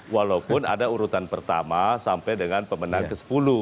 walaupun ada urutan pertama sampai dengan pemenang ke sepuluh